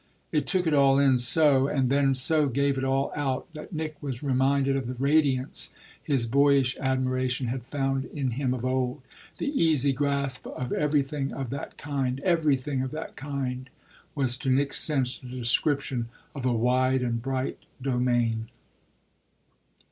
He took it all in so and then so gave it all out that Nick was reminded of the radiance his boyish admiration had found in him of old, the easy grasp of everything of that kind. "Everything of that kind" was to Nick's sense the description of a wide and bright domain.